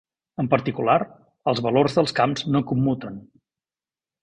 En particular, els valors dels camps no commuten.